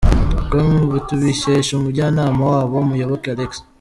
com tubikesha umujyanama wabo Muyoboke Alex.